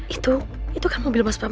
itu itu kan mobil mas bapak